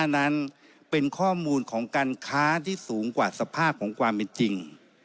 นั้นเป็นข้อมูลของการค้าที่สูงกว่าสภาพของความเป็นจริง